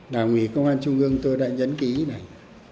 đảng ủy công an trung ương tôi đã nhấn ký này